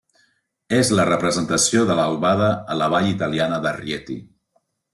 És la representació de l'albada a la vall italiana de Rieti.